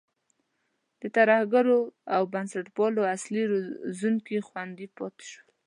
د ترهګرو او بنسټپالو اصلي روزونکي خوندي پاتې شول.